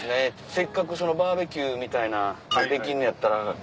せっかくバーベキューみたいなできんのやったら。